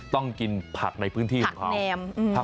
ต้องกินผักในพื้นที่ของเขา